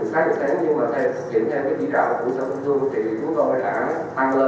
từ sáu giờ đến nhưng mà theo dự trị của sản phẩm thương thì chúng tôi đã tăng lên